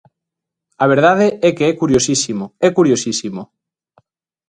A verdade é que é curiosísimo, é curiosísimo.